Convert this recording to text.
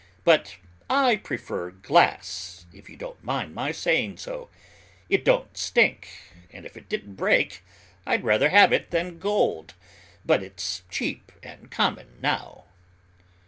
But I prefer glass, if you don't mind my saying so; it don't stink, and if it didn't break, I'd rather have it than gold, but it's cheap and common now."